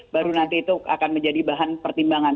baru nanti itu akan menjadi bahan pertimbangan